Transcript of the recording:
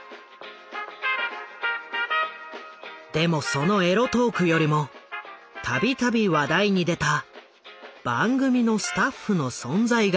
でもそのエロトークよりも度々話題に出た番組のスタッフの存在が気になった。